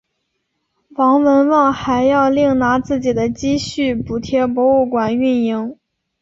王文旺还要另拿自己的积蓄补贴博物馆运营。